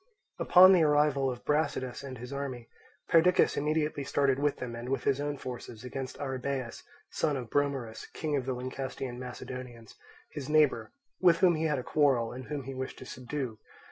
Upon the arrival of Brasidas and his army, Perdiccas immediately started with them and with his own forces against Arrhabaeus, son of Bromerus, king of the Lyncestian Macedonians, his neighbour, with whom he had a quarrel and whom he wished to subdue.